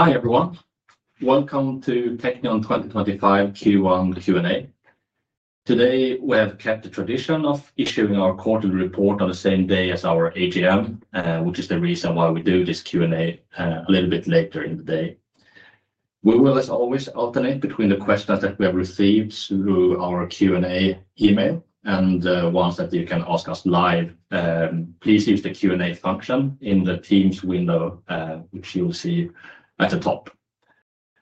Hi everyone, welcome to Teqnion 2025 Q1 Q&A. Today we have kept the tradition of issuing our quarterly report on the same day as our AGM, which is the reason why we do this Q&A a little bit later in the day. We will, as always, alternate between the questions that we have received through our Q&A email and the ones that you can ask us live. Please use the Q&A function in the Teams window, which you'll see at the top.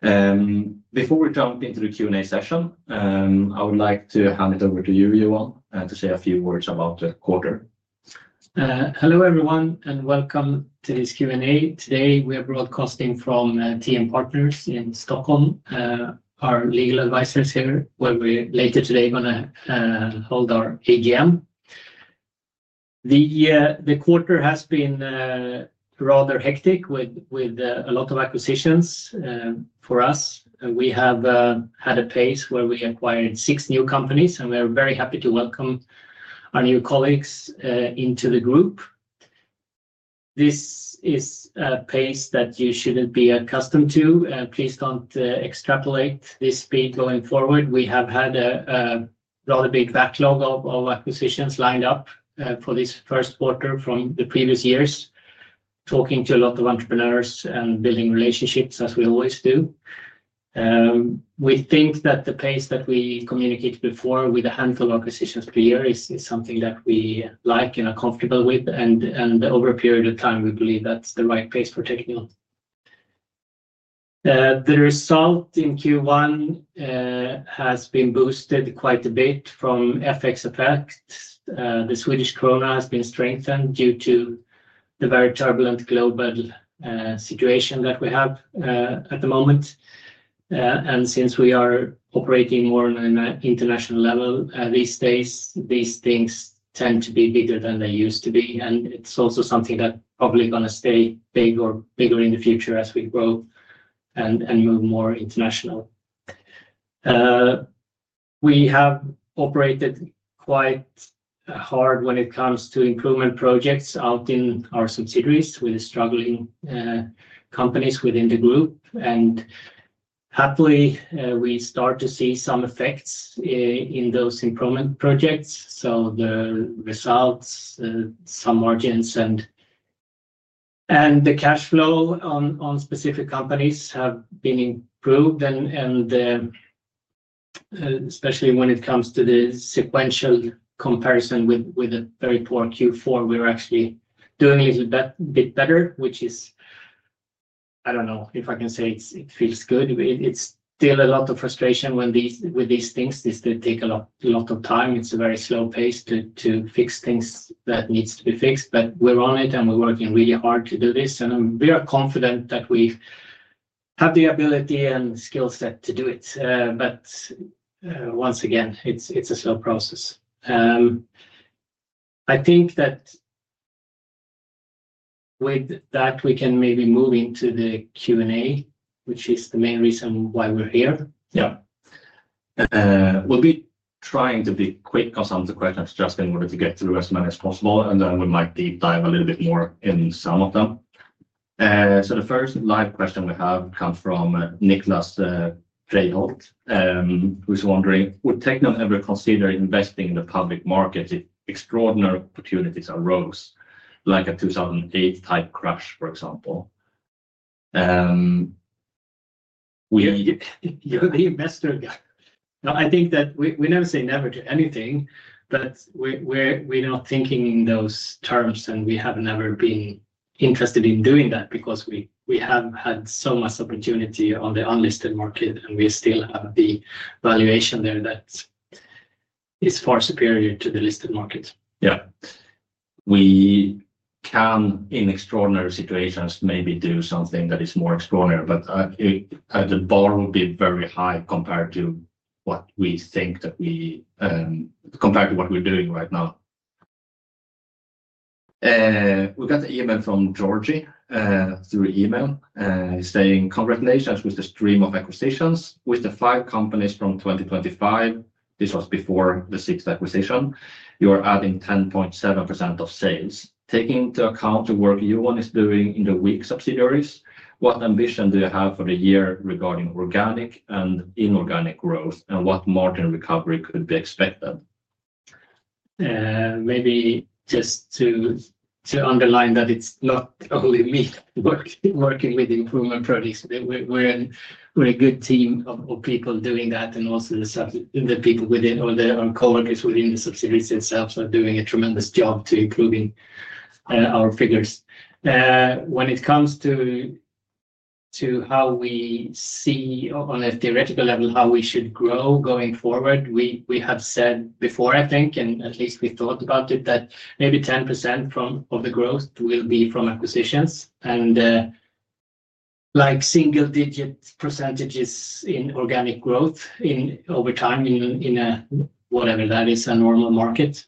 Before we jump into the Q&A session, I would like to hand it over to you, Johan, to say a few words about the quarter. Hello everyone and welcome to this Q&A. Today we are broadcasting from TM Partners in Stockholm, our legal advisors here, where we're later today going to hold our AGM. The quarter has been rather hectic with a lot of acquisitions for us. We have had a pace where we acquired six new companies, and we are very happy to welcome our new colleagues into the group. This is a pace that you shouldn't be accustomed to. Please don't extrapolate this speed going forward. We have had a rather big backlog of acquisitions lined up for this first quarter from the previous years, talking to a lot of entrepreneurs and building relationships as we always do. We think that the pace that we communicated before with a handful of acquisitions per year is something that we like and are comfortable with, and over a period of time we believe that's the right pace for Teqnion. The result in Q1 has been boosted quite a bit from FX effects. The Swedish krona has been strengthened due to the very turbulent global situation that we have at the moment. Since we are operating more on an international level these days, these things tend to be bigger than they used to be, and it's also something that's probably going to stay big or bigger in the future as we grow and move more international. We have operated quite hard when it comes to improvement projects out in our subsidiaries with the struggling companies within the group, and happily we start to see some effects in those improvement projects. The results, some margins, and the cash flow on specific companies have been improved, and especially when it comes to the sequential comparison with a very poor Q4, we're actually doing a little bit better, which is, I don't know if I can say it feels good. It's still a lot of frustration with these things. This did take a lot of time. It's a very slow pace to fix things that need to be fixed, but we're on it and we're working really hard to do this, and we are confident that we have the ability and skill set to do it. Once again, it's a slow process. I think that with that we can maybe move into the Q&A, which is the main reason why we're here. Yeah. We'll be trying to be quick on some of the questions just in order to get through as many as possible, and then we might deep dive a little bit more in some of them. The first live question we have comes from Niklas Dreiholt, who's wondering, would Teqnion ever consider investing in the public market if extraordinary opportunities arose, like a 2008 type crash, for example? You're the investor guy. I think that we never say never to anything, but we're not thinking in those terms, and we have never been interested in doing that because we have had so much opportunity on the unlisted market, and we still have the valuation there that is far superior to the listed market. Yeah. We can, in extraordinary situations, maybe do something that is more extraordinary, but the bar will be very high compared to what we think that we, compared to what we're doing right now. We got the email from Georgie through email saying, "Congratulations with the stream of acquisitions. With the five companies from 2025," this was before the sixth acquisition, "you are adding 10.7% of sales. Taking into account the work you one is doing in the weak subsidiaries, what ambition do you have for the year regarding organic and inorganic growth, and what margin recovery could be expected? Maybe just to underline that it's not only me working with improvement projects. We're a good team of people doing that, and also the people within, or the coworkers within the subsidiaries themselves are doing a tremendous job to improving our figures. When it comes to how we see on a theoretical level how we should grow going forward, we have said before, I think, and at least we thought about it, that maybe 10% of the growth will be from acquisitions, and like single-digit percentages in organic growth over time in a, whatever that is, a normal market.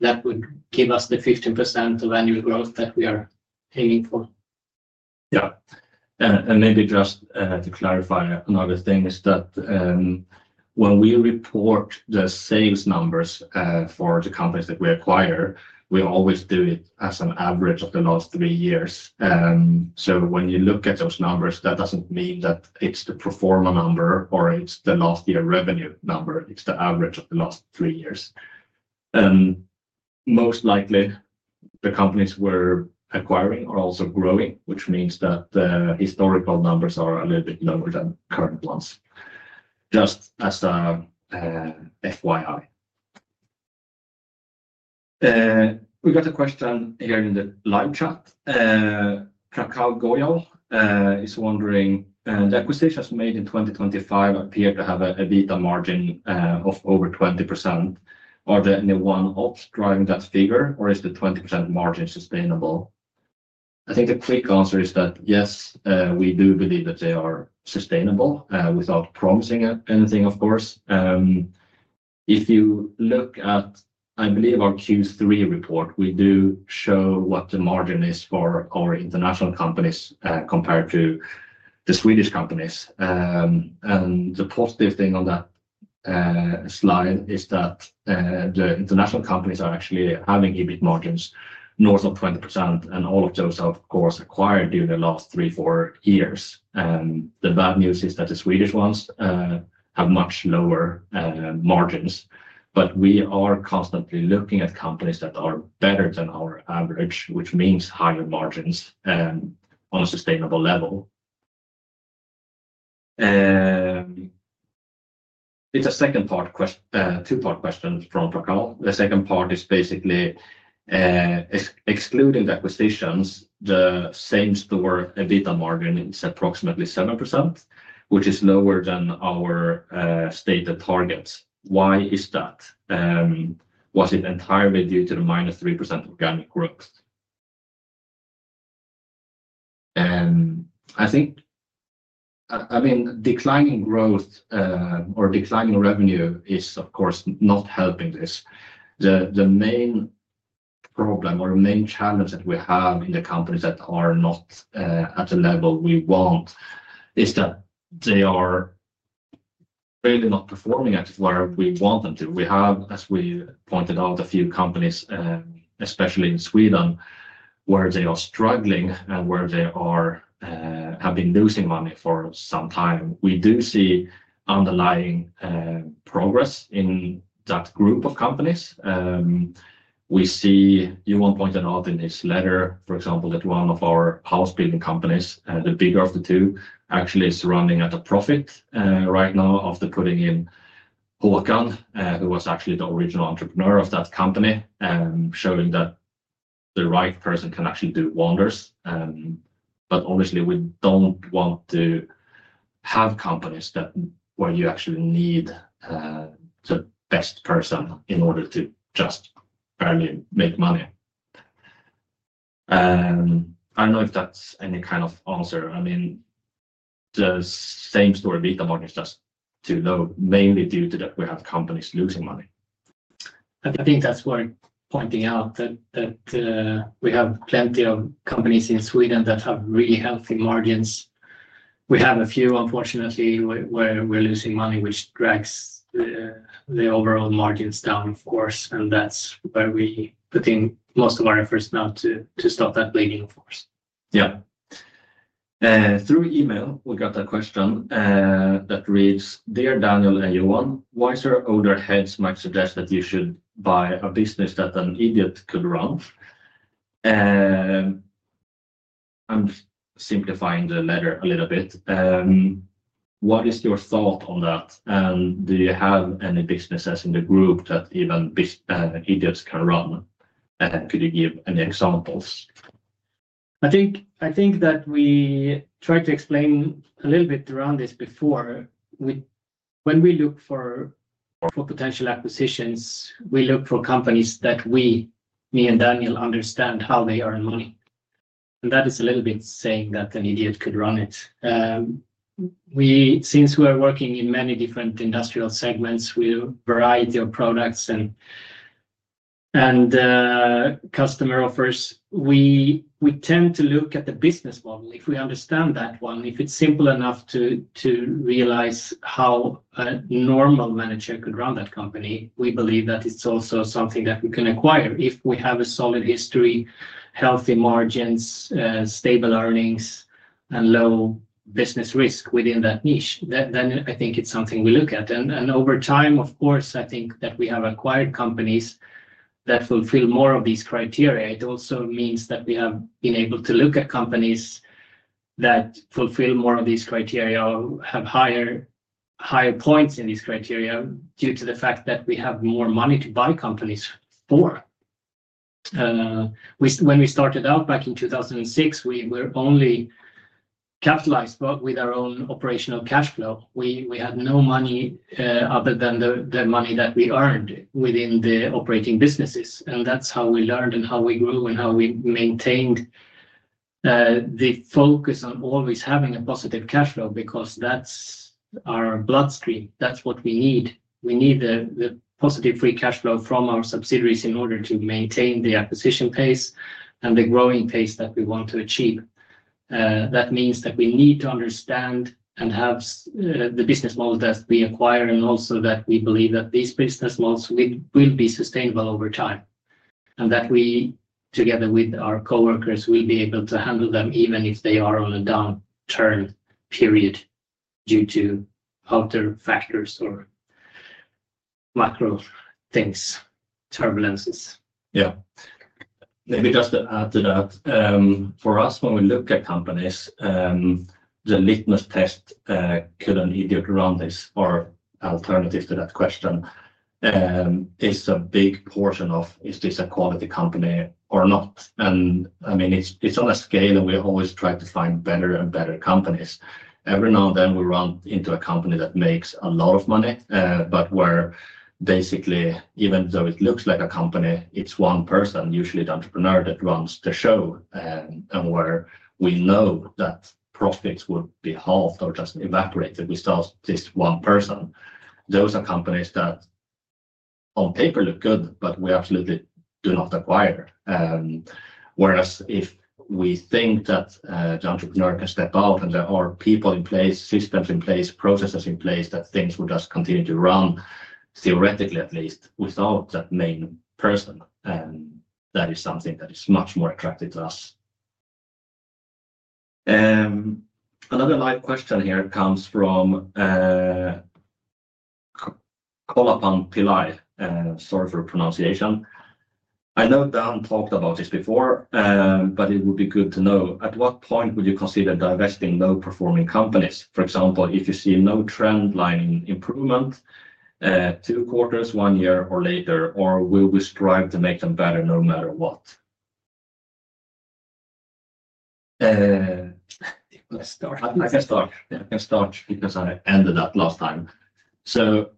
That would give us the 15% of annual growth that we are aiming for. Yeah. Maybe just to clarify another thing is that when we report the sales numbers for the companies that we acquire, we always do it as an average of the last three years. When you look at those numbers, that does not mean that it is the pro forma number or it is the last year revenue number. It is the average of the last three years. Most likely the companies we are acquiring are also growing, which means that historical numbers are a little bit lower than current ones, just as a FYI. We got a question here in the live chat. Krakow Goyal is wondering, "The acquisitions made in 2025 appear to have a EBITDA margin of over 20%. Are there any one-offs driving that figure, or is the 20% margin sustainable?" I think the quick answer is that yes, we do believe that they are sustainable without promising anything, of course. If you look at, I believe, our Q3 report, we do show what the margin is for our international companies compared to the Swedish companies. The positive thing on that slide is that the international companies are actually having EBIT margins north of 20%, and all of those are, of course, acquired during the last three, four years. The bad news is that the Swedish ones have much lower margins, but we are constantly looking at companies that are better than our average, which means higher margins on a sustainable level. It is a second part, two-part question from Krakow. The second part is basically excluding the acquisitions, the same store EBITDA margin is approximately 7%, which is lower than our stated targets. Why is that? Was it entirely due to the minus 3% organic growth? I mean, declining growth or declining revenue is, of course, not helping this. The main problem or main challenge that we have in the companies that are not at the level we want is that they are really not performing at where we want them to. We have, as we pointed out, a few companies, especially in Sweden, where they are struggling and where they have been losing money for some time. We do see underlying progress in that group of companies. We see, Johan pointed out in his letter, for example, that one of our house building companies, the bigger of the two, actually is running at a profit right now after putting in Håkan, who was actually the original entrepreneur of that company, showing that the right person can actually do wonders. Obviously, we do not want to have companies where you actually need the best person in order to just barely make money. I don't know if that's any kind of answer. I mean, the same story, EBITDA margin is just too low, mainly due to that we have companies losing money. I think that's worth pointing out that we have plenty of companies in Sweden that have really healthy margins. We have a few, unfortunately, where we're losing money, which drags the overall margins down, of course, and that's where we put in most of our efforts now to stop that bleeding, of course. Yeah. Through email, we got a question that reads, "Dear Daniel and Johan, why is there older heads might suggest that you should buy a business that an idiot could run?" I'm simplifying the letter a little bit. What is your thought on that? And do you have any businesses in the group that even idiots can run? Could you give any examples? I think that we tried to explain a little bit around this before. When we look for potential acquisitions, we look for companies that we, me and Daniel, understand how they earn money. That is a little bit saying that an idiot could run it. Since we're working in many different industrial segments with a variety of products and customer offers, we tend to look at the business model. If we understand that one, if it's simple enough to realize how a normal manager could run that company, we believe that it's also something that we can acquire if we have a solid history, healthy margins, stable earnings, and low business risk within that niche. I think it's something we look at. Over time, of course, I think that we have acquired companies that fulfill more of these criteria. It also means that we have been able to look at companies that fulfill more of these criteria or have higher points in these criteria due to the fact that we have more money to buy companies for. When we started out back in 2006, we were only capitalized with our own operational cash flow. We had no money other than the money that we earned within the operating businesses. That is how we learned and how we grew and how we maintained the focus on always having a positive cash flow because that is our bloodstream. That is what we need. We need the positive free cash flow from our subsidiaries in order to maintain the acquisition pace and the growing pace that we want to achieve. That means that we need to understand and have the business models that we acquire and also that we believe that these business models will be sustainable over time and that we, together with our coworkers, will be able to handle them even if they are on a downturn period due to other factors or macro things, turbulences. Yeah. Maybe just to add to that, for us, when we look at companies, the litmus test could an idiot run this or alternative to that question is a big portion of is this a quality company or not. I mean, it's on a scale and we always try to find better and better companies. Every now and then we run into a company that makes a lot of money, but where basically, even though it looks like a company, it's one person, usually the entrepreneur that runs the show, and where we know that profits would be halved or just evaporated because of this one person. Those are companies that on paper look good, but we absolutely do not acquire. Whereas if we think that the entrepreneur can step out and there are people in place, systems in place, processes in place, that things would just continue to run theoretically at least without that main person, that is something that is much more attractive to us. Another live question here comes from Kolappan Pillai, sorry for the pronunciation. I know Dan talked about this before, but it would be good to know. At what point would you consider divesting low-performing companies? For example, if you see no trend line improvement, two quarters, one year or later, or will we strive to make them better no matter what? I can start. I can start because I ended that last time. The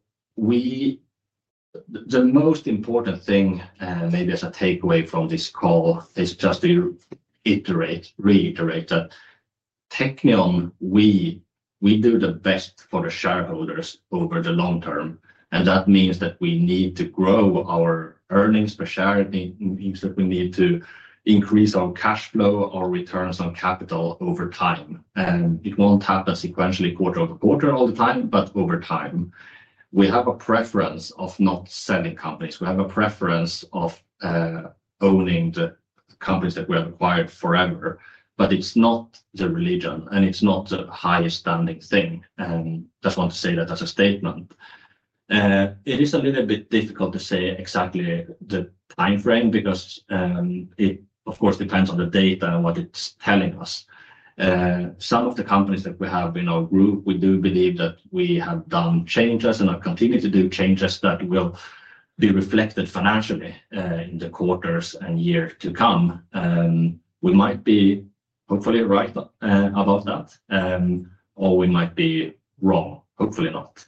most important thing maybe as a takeaway from this call is just to reiterate that Teqnion, we do the best for the shareholders over the long term, and that means that we need to grow our earnings per share, means that we need to increase our cash flow, our returns on capital over time. It won't happen sequentially quarter over quarter all the time, but over time. We have a preference of not selling companies. We have a preference of owning the companies that we have acquired forever, but it's not the religion and it's not the highest-standing thing. I just want to say that as a statement. It is a little bit difficult to say exactly the time frame because it, of course, depends on the data and what it's telling us. Some of the companies that we have in our group, we do believe that we have done changes and are continuing to do changes that will be reflected financially in the quarters and years to come. We might be hopefully right about that, or we might be wrong, hopefully not.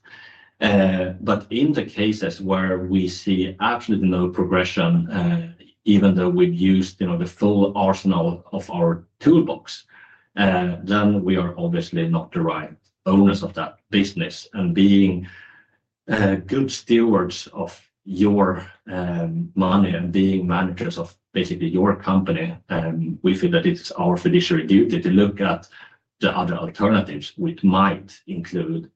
In the cases where we see absolutely no progression, even though we've used the full arsenal of our toolbox, we are obviously not the right owners of that business. Being good stewards of your money and being managers of basically your company, we feel that it's our fiduciary duty to look at the other alternatives, which might include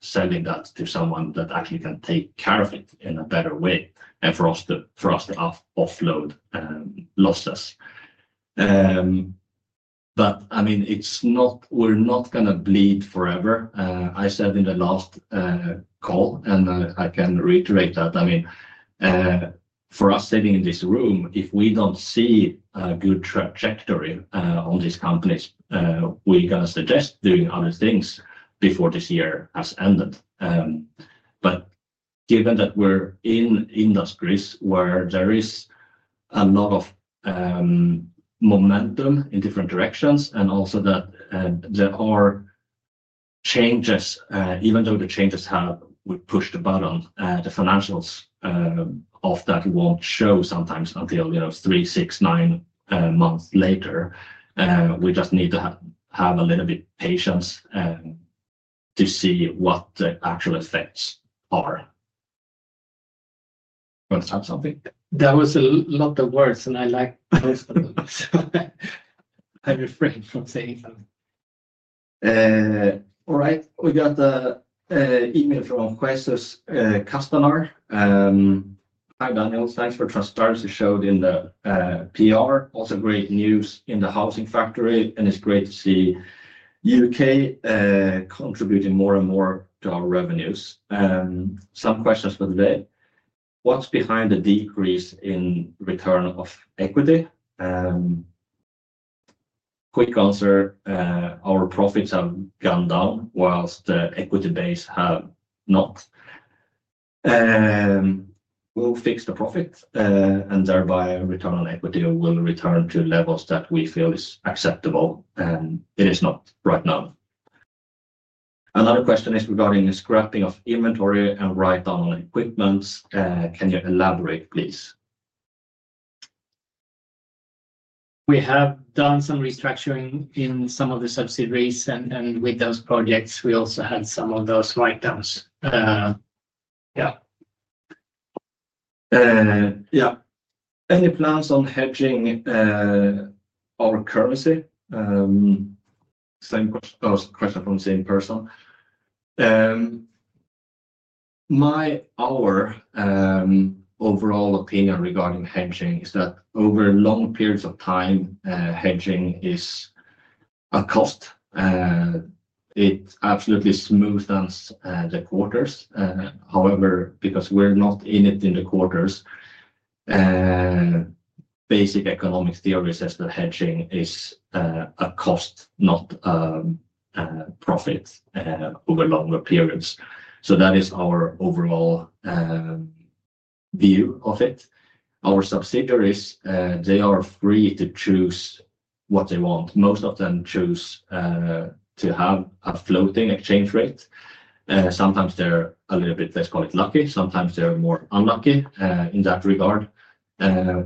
selling that to someone that actually can take care of it in a better way and for us to offload losses. I mean, we're not going to bleed forever. I said in the last call, and I can reiterate that. I mean, for us sitting in this room, if we do not see a good trajectory on these companies, we are going to suggest doing other things before this year has ended. Given that we are in industries where there is a lot of momentum in different directions and also that there are changes, even though the changes have pushed the button, the financials of that will not show sometimes until three, six, nine months later. We just need to have a little bit of patience to see what the actual effects are. Want to add something? That was a lot of words, and I like most of them. I refrain from saying something. All right. We got an email from Quesas customer. "Hi Daniel, thanks for. Starts to show in the PR, also great news in the housing factory, and it's great to see U.K. contributing more and more to our revenues." Some questions for today. "What's behind the decrease in return on equity?" Quick answer, our profits have gone down, whilst the equity base have not. "We'll fix the profit and thereby return on equity will return to levels that we feel is acceptable, and it is not right now." Another question is regarding the scrapping of inventory and write-down on equipment. Can you elaborate, please? We have done some restructuring in some of the subsidiaries, and with those projects, we also had some of those write-downs. Yeah. Yeah. "Any plans on hedging our currency?" Same question from the same person. "My overall opinion regarding hedging is that over long periods of time, hedging is a cost. It absolutely smoothens the quarters. However, because we're not in it in the quarters, basic economic theory says that hedging is a cost, not a profit over longer periods. That is our overall view of it. Our subsidiaries, they are free to choose what they want. Most of them choose to have a floating exchange rate. Sometimes they're a little bit, let's call it lucky. Sometimes they're more unlucky in that regard.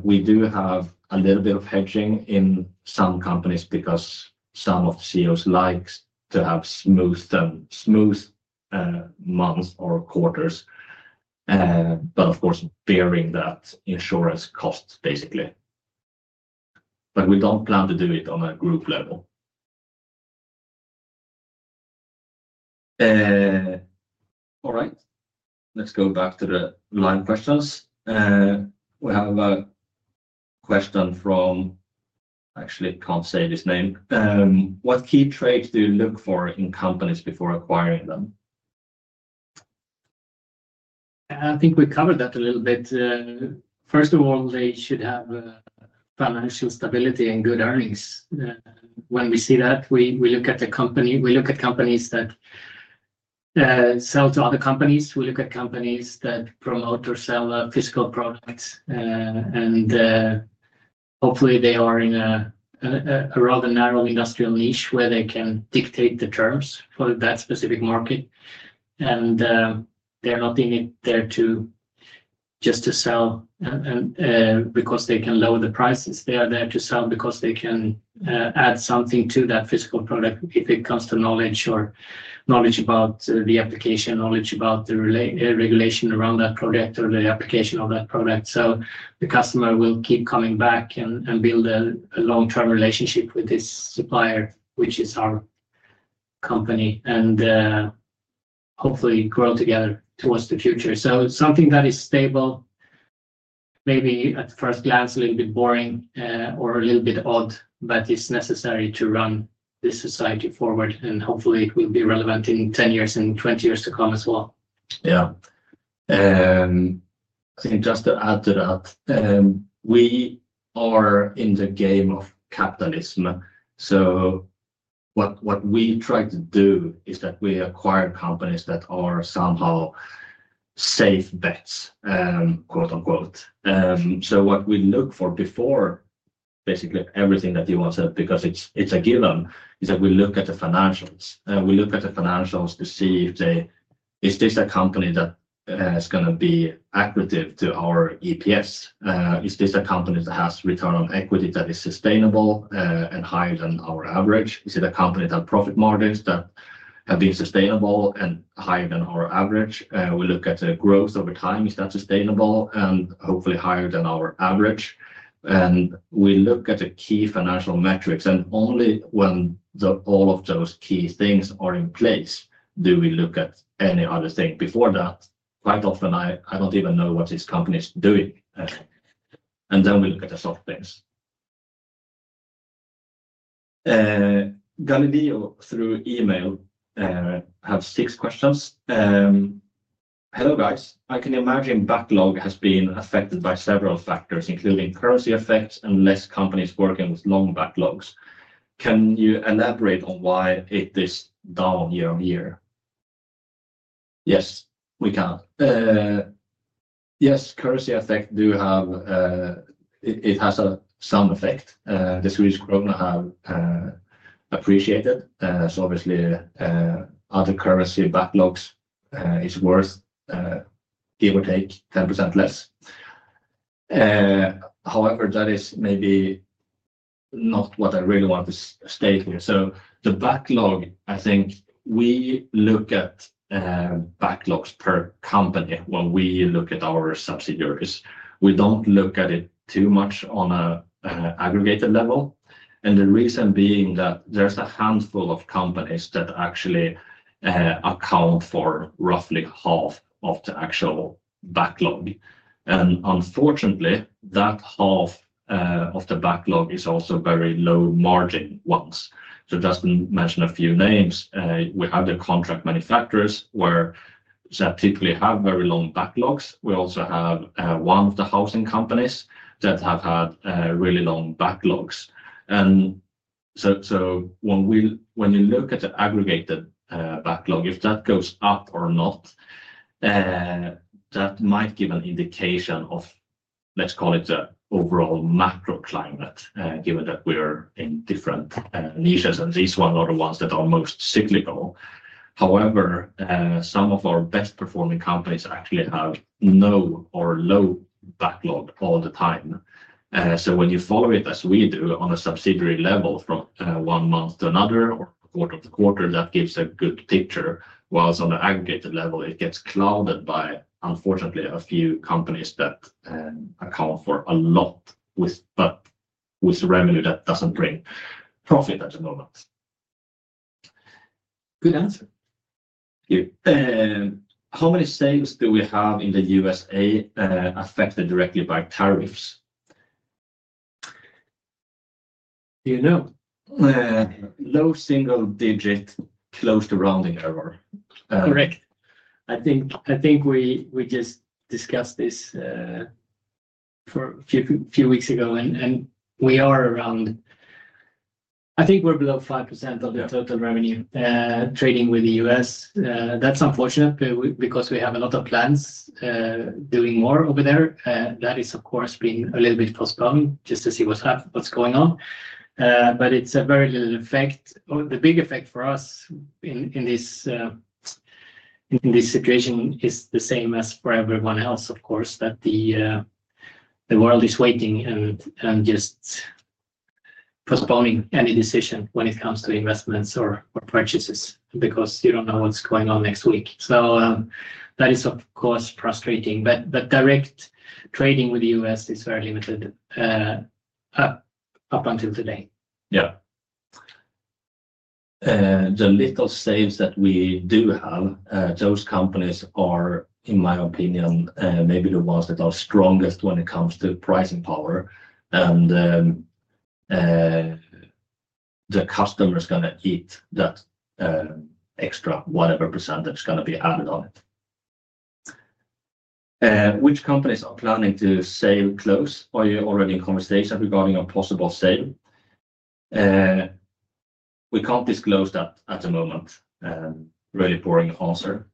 We do have a little bit of hedging in some companies because some of the CEOs like to have smooth months or quarters, but of course, bearing that insurance cost, basically. We do not plan to do it on a group level." All right. Let's go back to the live questions. We have a question from, actually, I can't say this name. "What key traits do you look for in companies before acquiring them? I think we covered that a little bit. First of all, they should have financial stability and good earnings. When we see that, we look at the company. We look at companies that sell to other companies. We look at companies that promote or sell fiscal products, and hopefully they are in a rather narrow industrial niche where they can dictate the terms for that specific market. They are not in it there just to sell because they can lower the prices. They are there to sell because they can add something to that fiscal product if it comes to knowledge about the application, knowledge about the regulation around that product or the application of that product. The customer will keep coming back and build a long-term relationship with this supplier, which is our company, and hopefully grow together towards the future. Something that is stable, maybe at first glance a little bit boring or a little bit odd, but it's necessary to run this society forward, and hopefully it will be relevant in 10 years and 20 years to come as well. Yeah. I think just to add to that, we are in the game of capitalism. What we try to do is that we acquire companies that are somehow "safe bets," quote-unquote. What we look for before, basically everything that you want to say because it's a given, is that we look at the financials. We look at the financials to see if this is a company that is going to be accurate to our EPS. Is this a company that has return on equity that is sustainable and higher than our average? Is it a company that profit margins that have been sustainable and higher than our average? We look at the growth over time. Is that sustainable and hopefully higher than our average? We look at the key financial metrics, and only when all of those key things are in place do we look at any other thing. Before that, quite often, I do not even know what this company is doing. We look at the soft things. Galileo, through email, has six questions. "Hello guys. I can imagine backlog has been affected by several factors, including currency effects and fewer companies working with long backlogs. Can you elaborate on why it is down year on year?" Yes, we can. Yes, currency effects do have some effect. The Swedish krona has appreciated. Obviously, other currency backlogs are worth, give or take, 10% less. However, that is maybe not what I really want to state here. The backlog, I think we look at backlogs per company when we look at our subsidiaries. We don't look at it too much on an aggregated level. The reason being that there's a handful of companies that actually account for roughly half of the actual backlog. Unfortunately, that half of the backlog is also very low margin ones. Just to mention a few names, we have the contract manufacturers where they typically have very long backlogs. We also have one of the housing companies that have had really long backlogs. When you look at the aggregated backlog, if that goes up or not, that might give an indication of, let's call it, the overall macro climate, given that we are in different niches and these are the ones that are most cyclical. However, some of our best-performing companies actually have no or low backlog all the time. When you follow it as we do on a subsidiary level from one month to another or quarter to quarter, that gives a good picture, whilst on the aggregated level, it gets clouded by, unfortunately, a few companies that account for a lot with revenue that doesn't bring profit at the moment. Good answer. Thank you. "How many sales do we have in the USA affected directly by tariffs? Do you know? Low single-digit, close to rounding error. Correct. I think we just discussed this a few weeks ago, and we are around, I think we're below 5% of the total revenue trading with the U.S. That's unfortunate because we have a lot of plans doing more over there. That is, of course, been a little bit postponed just to see what's going on. It is a very little effect. The big effect for us in this situation is the same as for everyone else, of course, that the world is waiting and just postponing any decision when it comes to investments or purchases because you don't know what's going on next week. That is, of course, frustrating. Direct trading with the U.S. is very limited up until today. Yeah. The little saves that we do have, those companies are, in my opinion, maybe the ones that are strongest when it comes to pricing power. And the customer is going to eat that extra whatever % is going to be added on it. "Which companies are planning to save close? Are you already in conversation regarding a possible sale?" We can't disclose that at the moment. Really boring answer.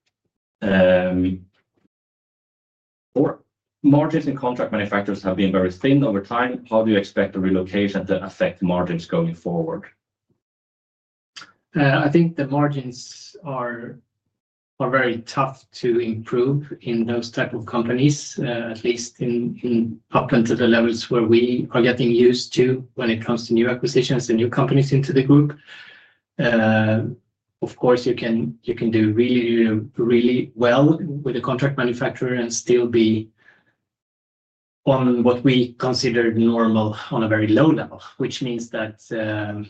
"Margins in contract manufacturers have been very thin over time. How do you expect the relocation to affect margins going forward? I think the margins are very tough to improve in those types of companies, at least up to the levels where we are getting used to when it comes to new acquisitions and new companies into the group. Of course, you can do really, really well with a contract manufacturer and still be on what we consider normal on a very low level, which means that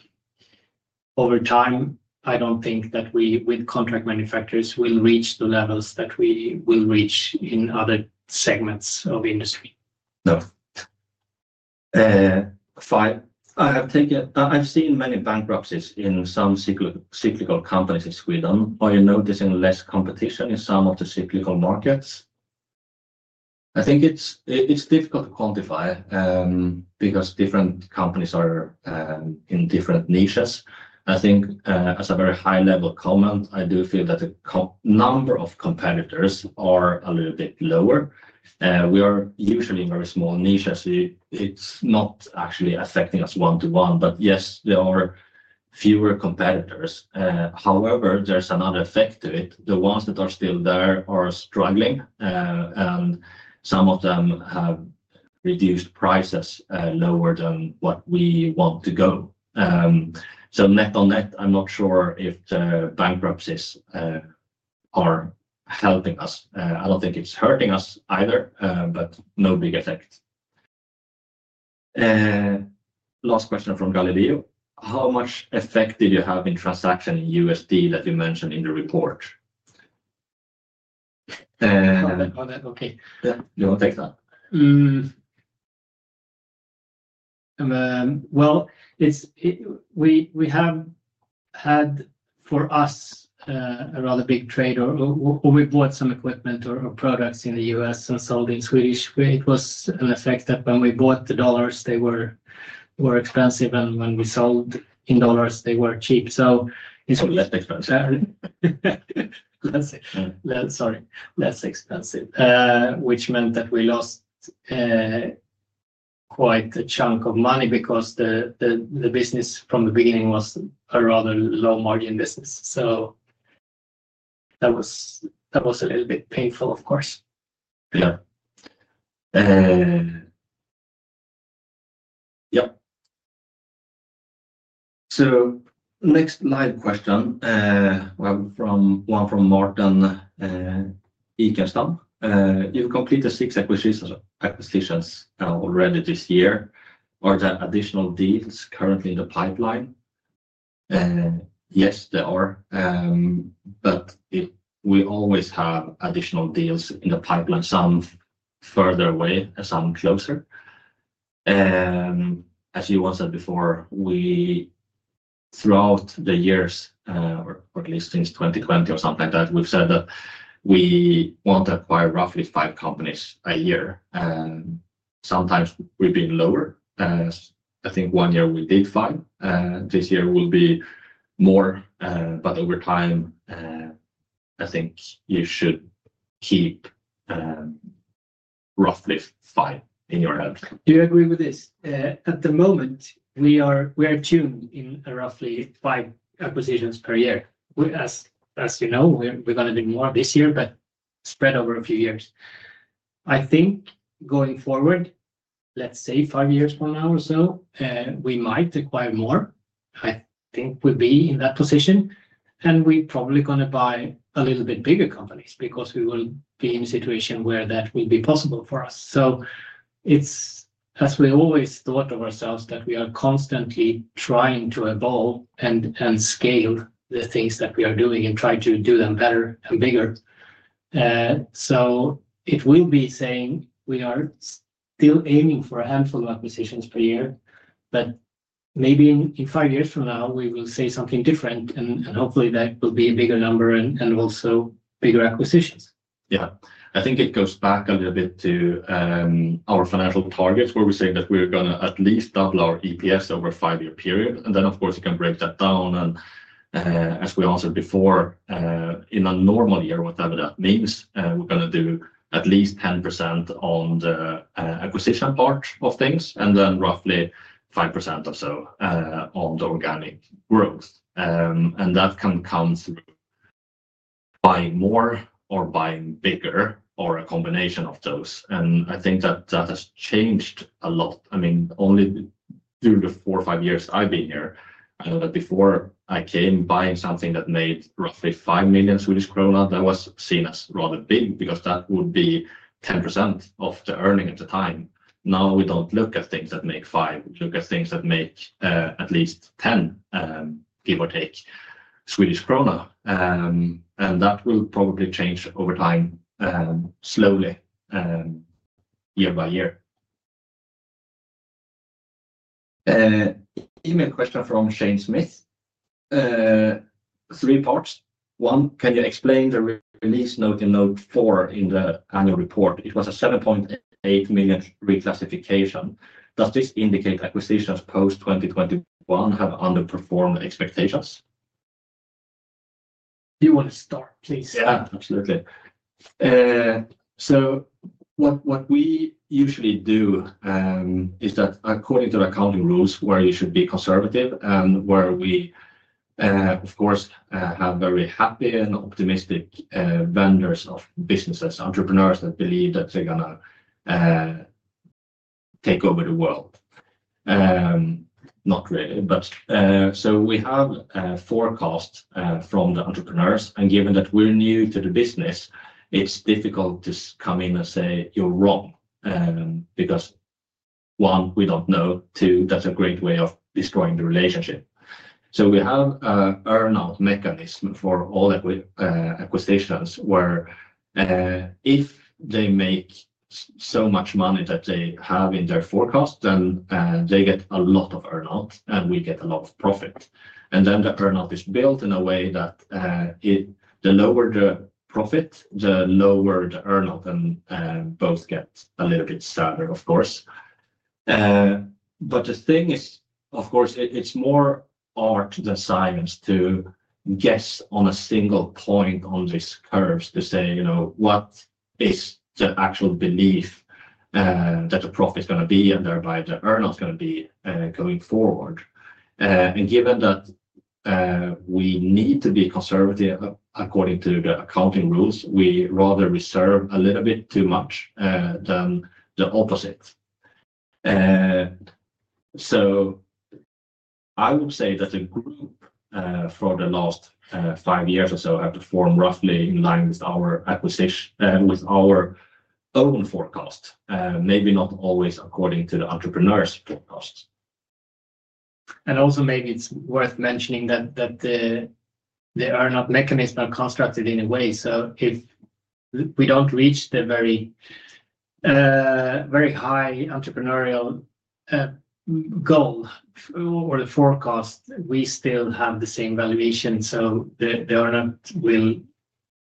over time, I do not think that we with contract manufacturers will reach the levels that we will reach in other segments of industry. No. Five. "I have seen many bankruptcies in some cyclical companies in Sweden. Are you noticing less competition in some of the cyclical markets?" I think it's difficult to quantify because different companies are in different niches. I think as a very high-level comment, I do feel that the number of competitors are a little bit lower. We are usually in very small niches. It's not actually affecting us one-to-one, but yes, there are fewer competitors. However, there's another effect to it. The ones that are still there are struggling, and some of them have reduced prices lower than what we want to go. Net on net, I'm not sure if the bankruptcies are helping us. I don't think it's hurting us either, but no big effect. Last question from Galileo. "How much effect did you have in transaction in USD that you mentioned in the report? Okay. Yeah. You want to take that? We have had, for us, a rather big trade. We bought some equipment or products in the U.S. and sold in Swedish. It was an effect that when we bought the dollars, they were expensive, and when we sold in dollars, they were cheap. Less expensive. Sorry. Less expensive, which meant that we lost quite a chunk of money because the business from the beginning was a rather low-margin business. That was a little bit painful, of course. Yeah. Yep. Next live question, one from Martin Ekestam. "You've completed six acquisitions already this year. Are there additional deals currently in the pipeline?" Yes, there are. We always have additional deals in the pipeline, some further away and some closer. As you once said before, throughout the years, or at least since 2020 or something like that, we've said that we want to acquire roughly five companies a year. Sometimes we've been lower. I think one year we did five. This year will be more, but over time, I think you should keep roughly five in your hands. Do you agree with this? At the moment, we are tuned in roughly five acquisitions per year. As you know, we're going to do more this year, but spread over a few years. I think going forward, let's say five years from now or so, we might acquire more. I think we'll be in that position. We are probably going to buy a little bit bigger companies because we will be in a situation where that will be possible for us. As we always thought of ourselves, we are constantly trying to evolve and scale the things that we are doing and try to do them better and bigger. It will be saying we are still aiming for a handful of acquisitions per year, but maybe in five years from now, we will say something different. Hopefully, that will be a bigger number and also bigger acquisitions. Yeah. I think it goes back a little bit to our financial targets where we say that we're going to at least double our EPS over a five-year period. Of course, you can break that down. As we answered before, in a normal year, whatever that means, we're going to do at least 10% on the acquisition part of things and then roughly 5% or so on the organic growth. That can come through buying more or buying bigger or a combination of those. I think that that has changed a lot. I mean, only during the four or five years I've been here, before I came buying something that made roughly 5 million Swedish krona, that was seen as rather big because that would be 10% of the earning at the time. Now we don't look at things that make 5. We look at things that make at least 10, give or take, Swedish krona. That will probably change over time slowly, year by year. Email question from Shane Smith. Three parts. One, can you explain the release note in note four in the annual report? It was a 7.8 million reclassification. Does this indicate acquisitions post-2021 have underperformed expectations? Do you want to start, please? Yeah, absolutely. What we usually do is that according to the accounting rules where you should be conservative and where we, of course, have very happy and optimistic vendors of businesses, entrepreneurs that believe that they're going to take over the world. Not really, but we have forecasts from the entrepreneurs. Given that we're new to the business, it's difficult to come in and say, "You're wrong." Because one, we don't know. Two, that's a great way of destroying the relationship. We have an earn-out mechanism for all acquisitions where if they make so much money that they have in their forecast, then they get a lot of earn-out and we get a lot of profit. The earn-out is built in a way that the lower the profit, the lower the earn-out, and both get a little bit sadder, of course. The thing is, of course, it's more art than science to guess on a single point on these curves to say, "What is the actual belief that the profit is going to be and thereby the earn-out is going to be going forward?" Given that we need to be conservative according to the accounting rules, we rather reserve a little bit too much than the opposite. I would say that the group for the last five years or so have performed roughly in line with our own forecast, maybe not always according to the entrepreneurs' forecasts. Maybe it's worth mentioning that the earn-out mechanism is constructed in a way. If we don't reach the very high entrepreneurial goal or the forecast, we still have the same valuation. The earn-out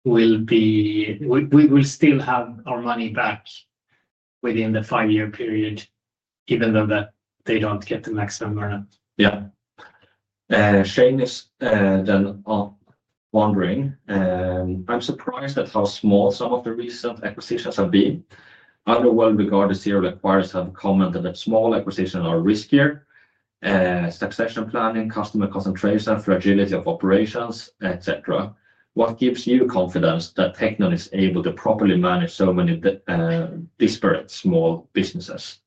will be we will still have our money back within the five-year period, even though they don't get the maximum earn-out. Yeah. Shane is then wondering, "I'm surprised at how small some of the recent acquisitions have been. Other well-regarded serial acquirers have commented that small acquisitions are riskier. Succession planning, customer concentration, fragility of operations, etc. What gives you confidence that Teqnion is able to properly manage so many disparate small businesses?"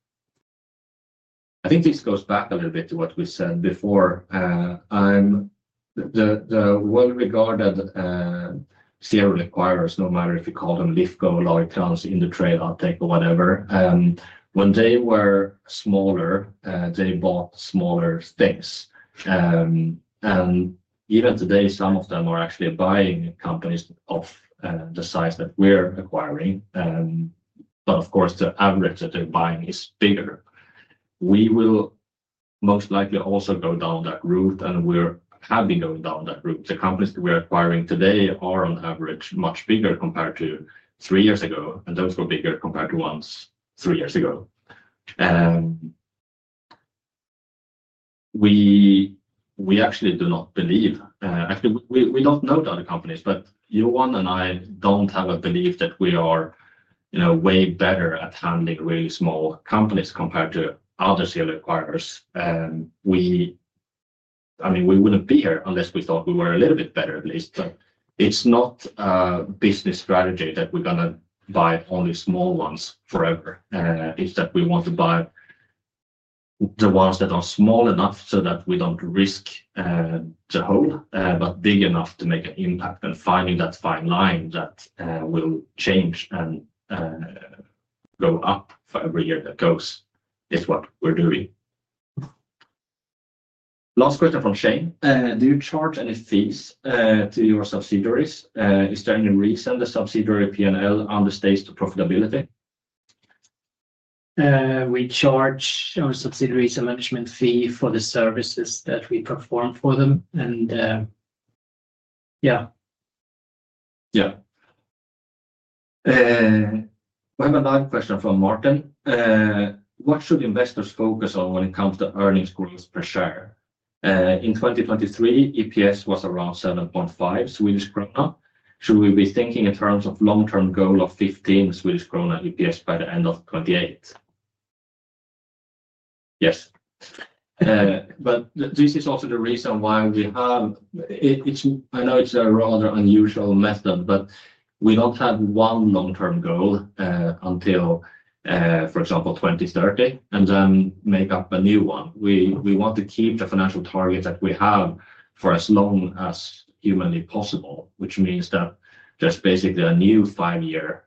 I think this goes back a little bit to what we said before. The well-regarded serial acquirers, no matter if you call them Lifco, Lytrans, Indutrade, Altec, or whatever, when they were smaller, they bought smaller things. Even today, some of them are actually buying companies of the size that we're acquiring. Of course, the average that they're buying is bigger. We will most likely also go down that route, and we have been going down that route. The companies that we're acquiring today are, on average, much bigger compared to three years ago, and those were bigger compared to ones three years ago. We actually do not believe, actually, we don't know the other companies, but Johan and I don't have a belief that we are way better at handling really small companies compared to other serial acquirers. I mean, we wouldn't be here unless we thought we were a little bit better, at least. It's not a business strategy that we're going to buy only small ones forever. It's that we want to buy the ones that are small enough so that we don't risk the whole, but big enough to make an impact. Finding that fine line that will change and go up for every year that goes is what we're doing. Last question from Shane. Do you charge any fees to your subsidiaries? Is there any reason the subsidiary P&L understates the profitability? We charge our subsidiaries a management fee for the services that we perform for them. Yeah. Yeah. We have a live question from Martin. "What should investors focus on when it comes to earnings growth per share? In 2023, EPS was around 7.5 Swedish krona. Should we be thinking in terms of long-term goal of 15 Swedish krona EPS by the end of 2028?" Yes. This is also the reason why we have, I know it's a rather unusual method, but we don't have one long-term goal until, for example, 2030, and then make up a new one. We want to keep the financial targets that we have for as long as humanly possible, which means that there's basically a new five-year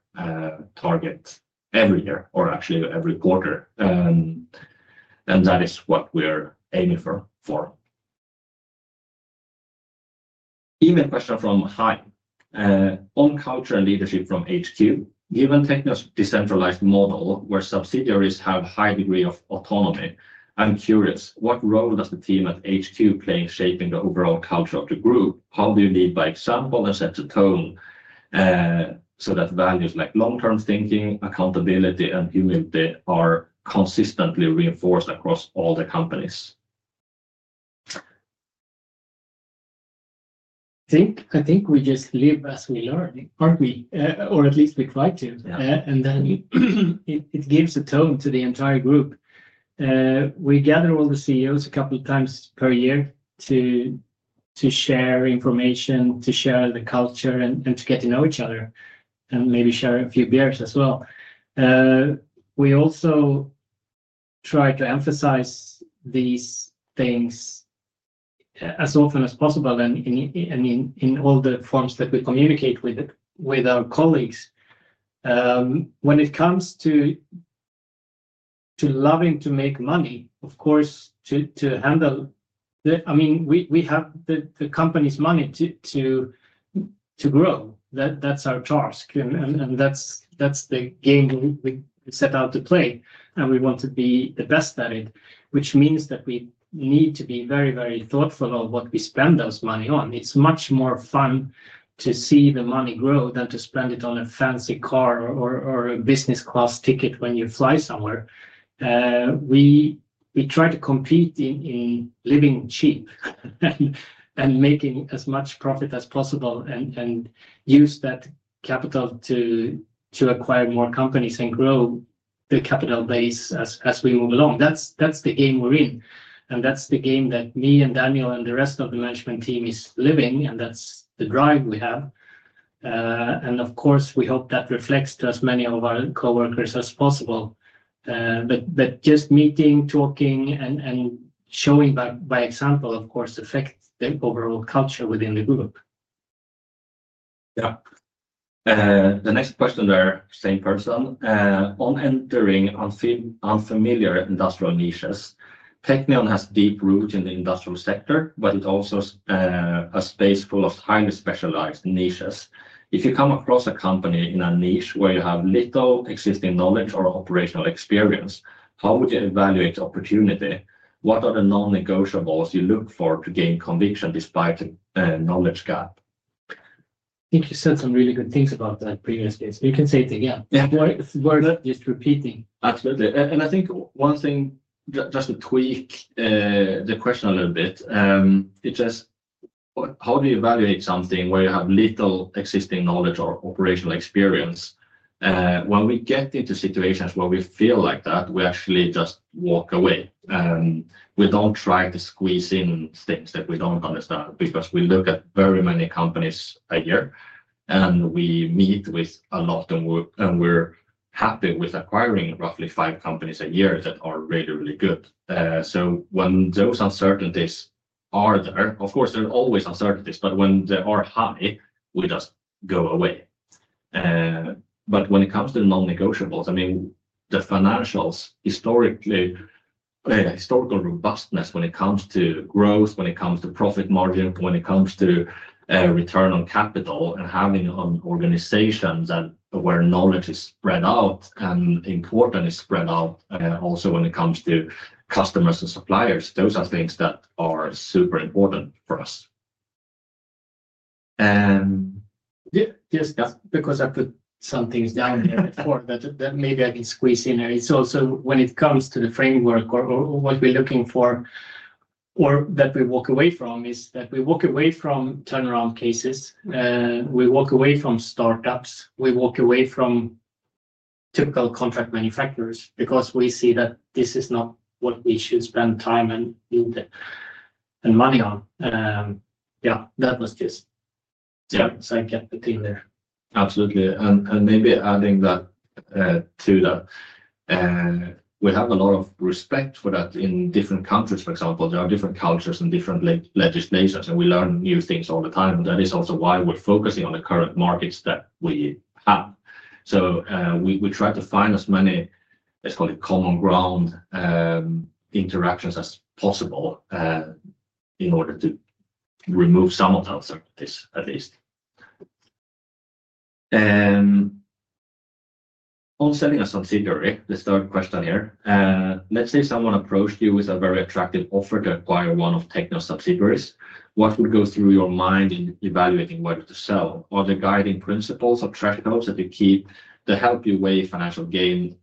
target every year or actually every quarter. That is what we're aiming for. Email question from Jaime. On culture and leadership from HQ, given Teqnion's decentralized model where subsidiaries have a high degree of autonomy, I'm curious, what role does the team at HQ play in shaping the overall culture of the group? How do you lead by example and set the tone so that values like long-term thinking, accountability, and humility are consistently reinforced across all the companies? I think we just live as we learn, aren't we? Or at least we try to. It gives a tone to the entire group. We gather all the CEOs a couple of times per year to share information, to share the culture, and to get to know each other and maybe share a few beers as well. We also try to emphasize these things as often as possible and in all the forms that we communicate with our colleagues. When it comes to loving to make money, of course, to handle, I mean, we have the company's money to grow. That's our task. That's the game we set out to play. We want to be the best at it, which means that we need to be very, very thoughtful of what we spend those money on. It's much more fun to see the money grow than to spend it on a fancy car or a business class ticket when you fly somewhere. We try to compete in living cheap and making as much profit as possible and use that capital to acquire more companies and grow the capital base as we move along. That's the game we're in. That's the game that me and Daniel and the rest of the management team are living, and that's the drive we have. Of course, we hope that reflects to as many of our coworkers as possible. Just meeting, talking, and showing by example, of course, affects the overall culture within the group. Yeah. The next question there, same person. "On entering unfamiliar industrial niches, Teqnion has deep roots in the industrial sector, but it also has a space full of highly specialized niches. If you come across a company in a niche where you have little existing knowledge or operational experience, how would you evaluate the opportunity? What are the non-negotiables you look for to gain conviction despite the knowledge gap? I think you said some really good things about that previously. You can say it again. Yeah. Worth just repeating. Absolutely. I think one thing, just to tweak the question a little bit, it's just how do you evaluate something where you have little existing knowledge or operational experience? When we get into situations where we feel like that, we actually just walk away. We do not try to squeeze in things that we do not understand because we look at very many companies a year, and we meet with a lot, and we are happy with acquiring roughly five companies a year that are really, really good. When those uncertainties are there, of course, there are always uncertainties, but when they are high, we just go away. When it comes to the non-negotiables, I mean, the financials, historical robustness when it comes to growth, when it comes to profit margin, when it comes to return on capital, and having an organization where knowledge is spread out and importance is spread out, also when it comes to customers and suppliers, those are things that are super important for us. Just because I put some things down here before that maybe I can squeeze in there. It's also when it comes to the framework or what we're looking for or that we walk away from is that we walk away from turnaround cases. We walk away from startups. We walk away from typical contract manufacturers because we see that this is not what we should spend time and money on. Yeah, that was just so I get the thing there. Absolutely. Maybe adding to that, we have a lot of respect for that in different countries. For example, there are different cultures and different legislations, and we learn new things all the time. That is also why we're focusing on the current markets that we have. We try to find as many, let's call it, common ground interactions as possible in order to remove some of the uncertainties, at least. "On setting a subsidiary," the third question here, "let's say someone approached you with a very attractive offer to acquire one of Teqnion's subsidiaries. What would go through your mind in evaluating whether to sell? Are there guiding principles or thresholds that you keep that help you weigh financial gain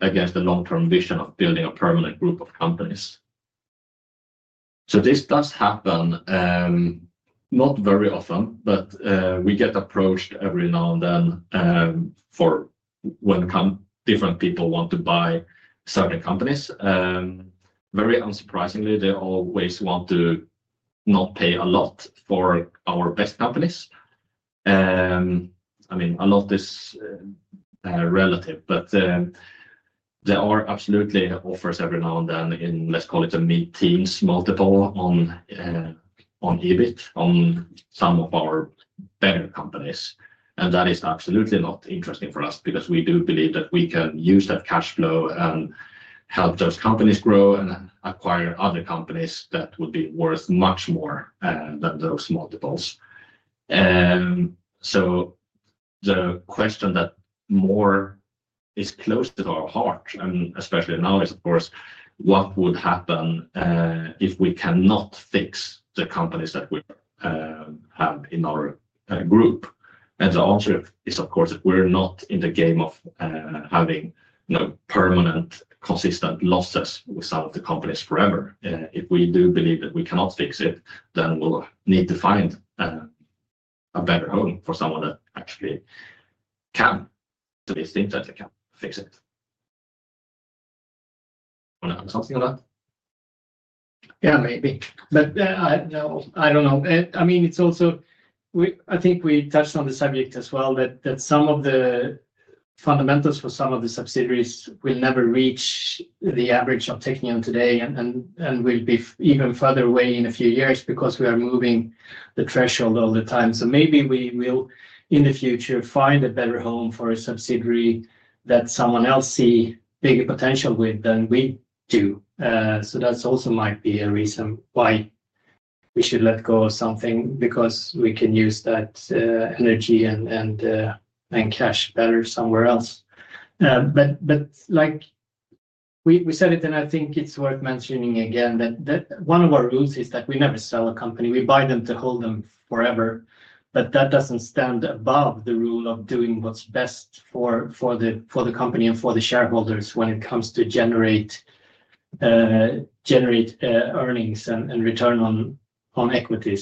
against the long-term vision of building a permanent group of companies? This does happen not very often, but we get approached every now and then when different people want to buy certain companies. Very unsurprisingly, they always want to not pay a lot for our best companies. I mean, a lot is relative, but there are absolutely offers every now and then in, let's call it, the mid-teens multiple on EBIT on some of our better companies. That is absolutely not interesting for us because we do believe that we can use that cash flow and help those companies grow and acquire other companies that would be worth much more than those multiples. The question that more is close to our heart, and especially now, is, of course, what would happen if we cannot fix the companies that we have in our group? The answer is, of course, we are not in the game of having permanent, consistent losses with some of the companies forever. If we do believe that we cannot fix it, then we will need to find a better home for someone that actually can, at least thinks that they can fix it. Want to add something on that? Yeah, maybe. I don't know. I mean, it's also, I think we touched on the subject as well, that some of the fundamentals for some of the subsidiaries will never reach the average of Teqnion today and will be even further away in a few years because we are moving the threshold all the time. Maybe we will, in the future, find a better home for a subsidiary that someone else sees bigger potential with than we do. That also might be a reason why we should let go of something because we can use that energy and cash better somewhere else. We said it, and I think it's worth mentioning again that one of our rules is that we never sell a company. We buy them to hold them forever. That does not stand above the rule of doing what is best for the company and for the shareholders when it comes to generate earnings and return on equity.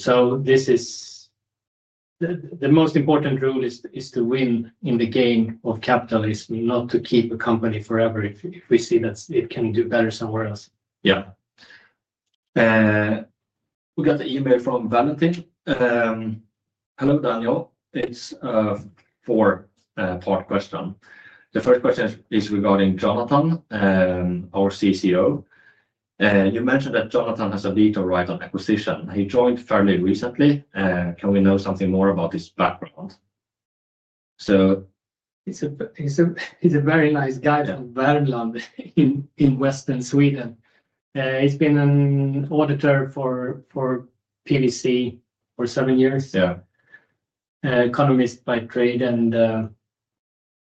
The most important rule is to win in the game of capitalism, not to keep a company forever if we see that it can do better somewhere else. Yeah. We got an email from Valentin. "Hello, Daniel. It's a four-part question. The first question is regarding Jonathan, our CCO. You mentioned that Jonathan has a legal right on acquisition. He joined fairly recently. Can we know something more about his background? He is a very nice guy from Värmland in western Sweden. He has been an auditor for PwC for seven years, economist by trade.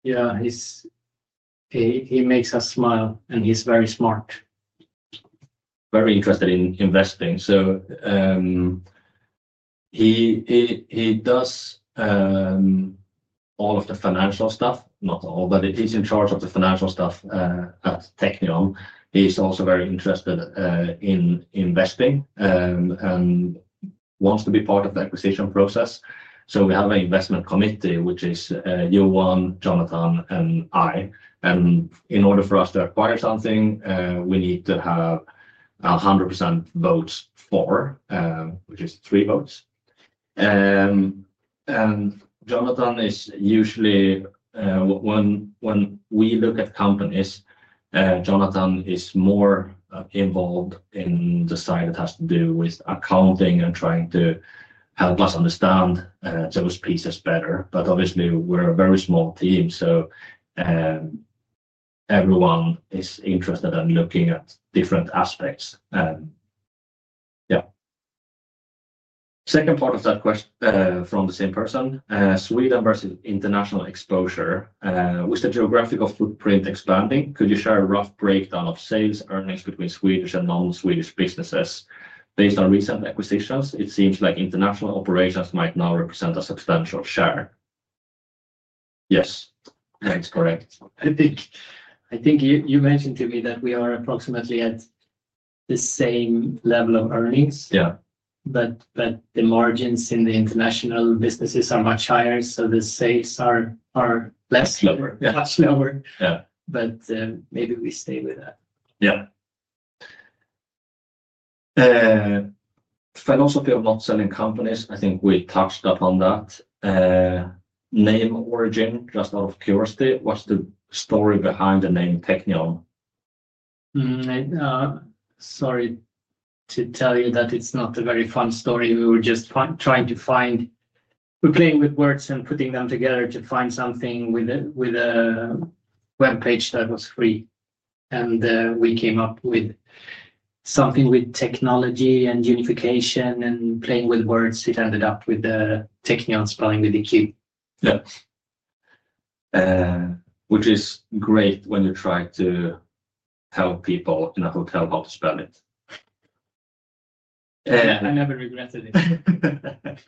Yeah, he makes us smile, and he is very smart. Very interested in investing. He does all of the financial stuff, not all, but he's in charge of the financial stuff at Teqnion. He's also very interested in investing and wants to be part of the acquisition process. We have an investment committee, which is Johan, Jonathan, and I. In order for us to acquire something, we need to have 100% votes for, which is three votes. Jonathan is usually, when we look at companies, more involved in the side that has to do with accounting and trying to help us understand those pieces better. Obviously, we're a very small team, so everyone is interested in looking at different aspects. Yeah. Second part of that question from the same person, "Sweden versus international exposure. With the geographical footprint expanding, could you share a rough breakdown of sales earnings between Swedish and non-Swedish businesses based on recent acquisitions? It seems like international operations might now represent a substantial share. Yes. That's correct. I think you mentioned to me that we are approximately at the same level of earnings. Yeah. The margins in the international businesses are much higher, so the sales are less. Lower. Much lower. Yeah. Maybe we stay with that. Yeah. Philosophy of not selling companies, I think we touched upon that. Name origin, just out of curiosity, what's the story behind the name Teqnion? Sorry to tell you that it's not a very fun story. We were just trying to find, we were playing with words and putting them together to find something with a web page that was free. And we came up with something with technology and unification and playing with words. It ended up with Teqnion spelling with a Q. Yeah. Which is great when you try to tell people in a hotel how to spell it. I never regretted it.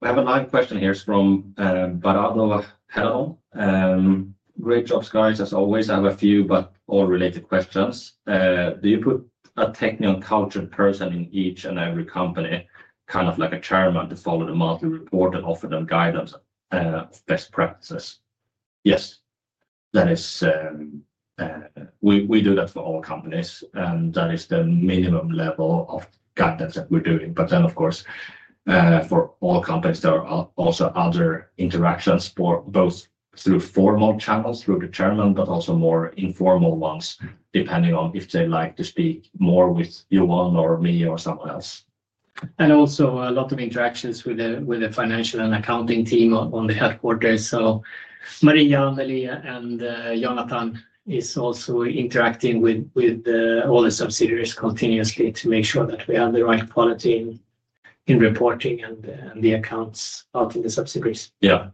We have a live question here. It's from Baratlov Hell. "Great job, guys, as always. I have a few, but all related questions. Do you put a Teqnion cultured person in each and every company, kind of like a chairman, to follow the monthly report and offer them guidance of best practices?" Yes. We do that for all companies, and that is the minimum level of guidance that we're doing. For all companies, there are also other interactions both through formal channels through the chairman, but also more informal ones, depending on if they like to speak more with Johan or me or someone else. are also a lot of interactions with the financial and accounting team at the headquarters. Maria, Malia, and Jonathan are also interacting with all the subsidiaries continuously to make sure that we have the right quality in reporting and the accounts out in the subsidiaries. Yeah.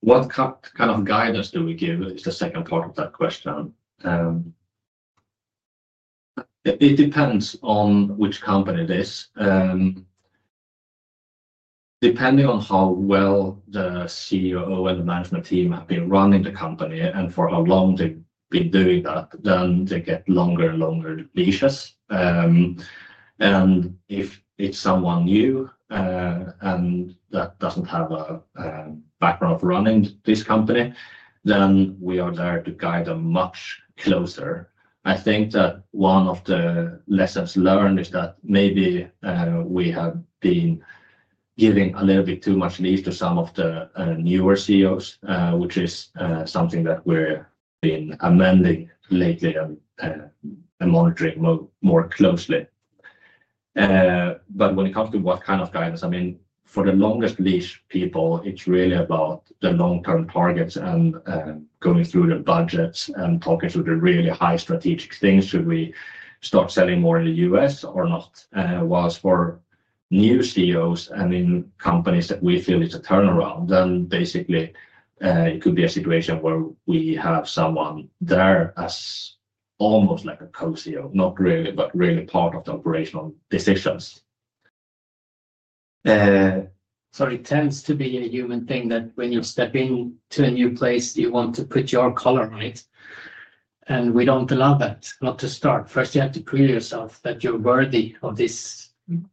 What kind of guidance do we give is the second part of that question. It depends on which company it is. Depending on how well the CEO and the management team have been running the company and for how long they've been doing that, then they get longer and longer leashes. If it's someone new and that doesn't have a background of running this company, then we are there to guide them much closer. I think that one of the lessons learned is that maybe we have been giving a little bit too much leash to some of the newer CEOs, which is something that we've been amending lately and monitoring more closely. When it comes to what kind of guidance, I mean, for the longest leash people, it's really about the long-term targets and going through the budgets and talking through the really high strategic things. Should we start selling more in the U.S. or not? Whereas for new CEOs and in companies that we feel is a turnaround, then basically it could be a situation where we have someone there as almost like a co-CEO, not really, but really part of the operational decisions. It tends to be a human thing that when you step into a new place, you want to put your color on it. We do not allow that, not to start. First, you have to prove yourself that you are worthy of this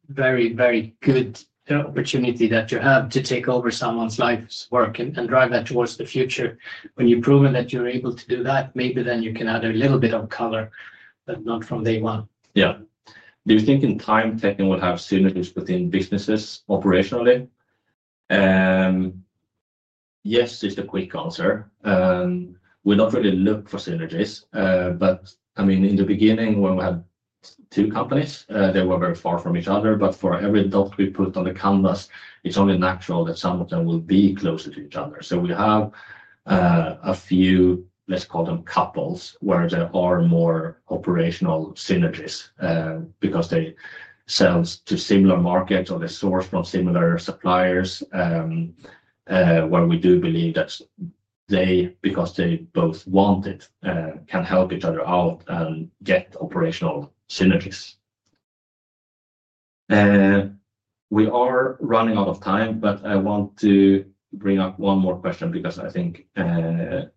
very, very good opportunity that you have to take over someone's life's work and drive that towards the future. When you have proven that you are able to do that, maybe then you can add a little bit of color, but not from day one. Yeah. Do you think in time Teqnion will have synergies within businesses operationally? Yes, is the quick answer. We do not really look for synergies. I mean, in the beginning, when we had two companies, they were very far from each other. For every dot we put on the canvas, it is only natural that some of them will be closer to each other. We have a few, let's call them couples, where there are more operational synergies because they sell to similar markets or they source from similar suppliers, where we do believe that they, because they both want it, can help each other out and get operational synergies. We are running out of time, but I want to bring up one more question because I think it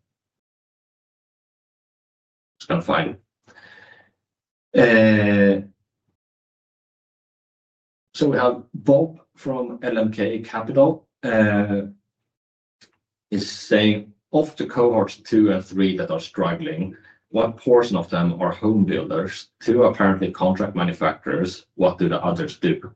is kind of fine. We have Bob from LMK Capital saying, "Of the cohorts two and three that are struggling, what portion of them are homebuilders? Two are apparently contract manufacturers. What do the others do?"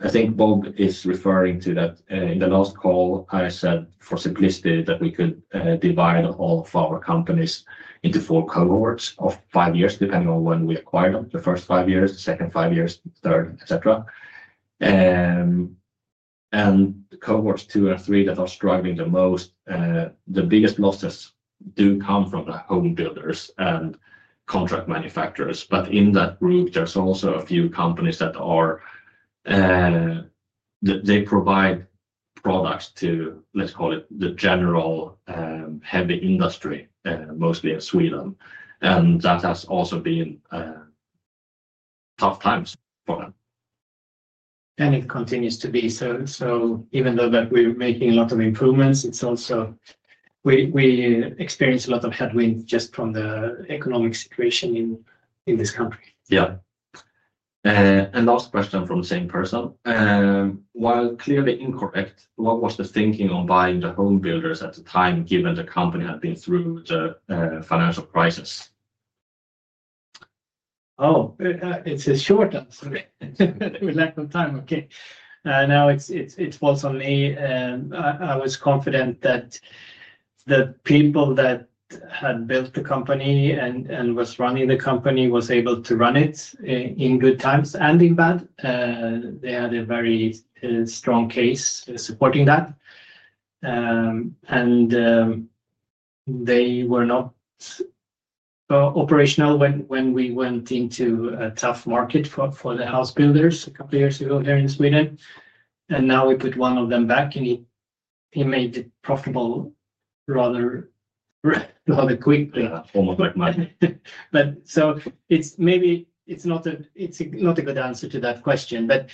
I think Bob is referring to that. In the last call, I said for simplicity that we could divide all of our companies into four cohorts of five years, depending on when we acquired them, the first five years, the second five years, the third, etc. Cohorts two and three that are struggling the most, the biggest losses do come from the homebuilders and contract manufacturers. In that group, there are also a few companies that provide products to, let's call it, the general heavy industry, mostly in Sweden. That has also been tough times for them. It continues to be. Even though we're making a lot of improvements, we also experience a lot of headwinds just from the economic situation in this country. Yeah. Last question from the same person. "While clearly incorrect, what was the thinking on buying the homebuilders at the time, given the company had been through the financial crisis? Oh, it's a short answer. We lack on time. Okay. Now it falls on me. I was confident that the people that had built the company and were running the company were able to run it in good times and in bad. They had a very strong case supporting that. They were not operational when we went into a tough market for the house builders a couple of years ago here in Sweden. Now we put one of them back, and he made it profitable rather quickly. Yeah, almost like magic. Maybe it's not a good answer to that question, but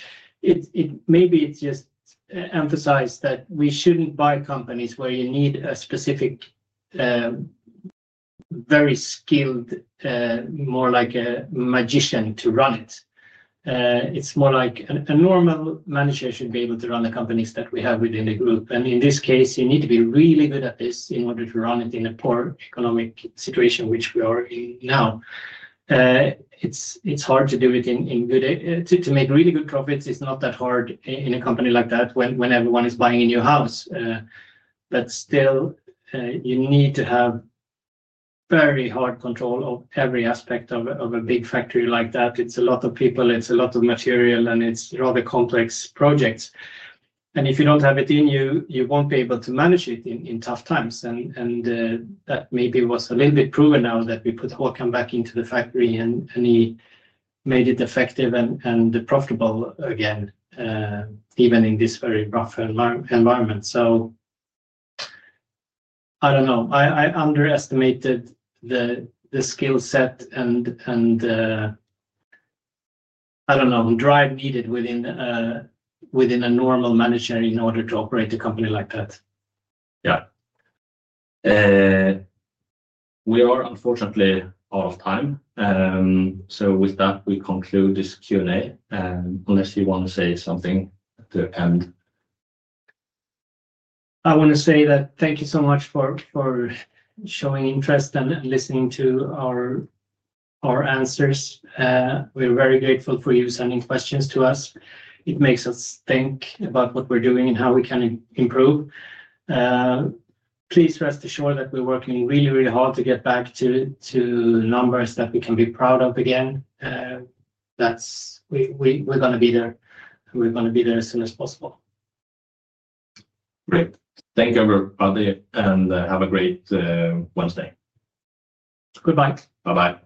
maybe it's just emphasized that we shouldn't buy companies where you need a specific, very skilled, more like a magician to run it. It's more like a normal manager should be able to run the companies that we have within the group. In this case, you need to be really good at this in order to run it in a poor economic situation, which we are in now. It's hard to do it in good, to make really good profits. It's not that hard in a company like that when everyone is buying a new house. Still, you need to have very hard control of every aspect of a big factory like that. It's a lot of people. It's a lot of material, and it's rather complex projects. If you do not have it in, you will not be able to manage it in tough times. That maybe was a little bit proven now that we put Håkan back into the factory, and he made it effective and profitable again, even in this very rough environment. I do not know. I underestimated the skill set and, I do not know, drive needed within a normal manager in order to operate a company like that. Yeah. We are unfortunately out of time. With that, we conclude this Q&A, unless you want to say something at the end. I want to say that thank you so much for showing interest and listening to our answers. We're very grateful for you sending questions to us. It makes us think about what we're doing and how we can improve. Please rest assured that we're working really, really hard to get back to numbers that we can be proud of again. We're going to be there. We're going to be there as soon as possible. Great. Thank you, everybody, and have a great Wednesday. Goodbye. Bye-bye.